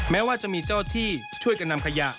แม้ว่าจะมีเจ้าที่ช่วยกันนำขยะ